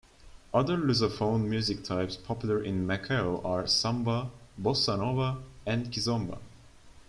Other Lusophone music types popular in Macao are "samba", "bossa nova", and "kizomba".